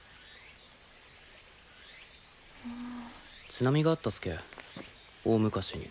津波があったすけ大昔に。